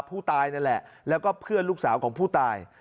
ผู้ตายนั่นแหละแล้วก็เพื่อนลูกสาวของผู้ตาย